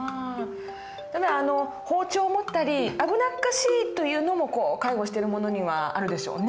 ただ包丁を持ったり危なっかしいというのも介護してる者にはあるでしょうね。